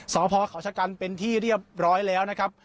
สพเขาชะกันเป็นที่เรียบร้อยแล้วนะครับ